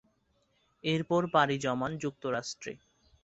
এরপর পাড়ি জমান যুক্তরাষ্ট্রে।